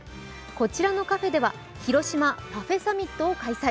こちらのカフェでは広島パフェサミットを開催。